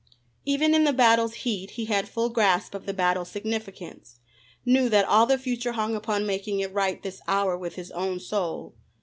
Even in the battle's heat, he had full grasp of the battle's significance, knew that all the future hung upon making it right this hour with his own soul.